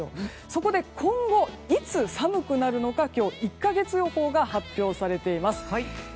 そこで今後、いつ寒くなるのか今日、１か月予報が発表されています。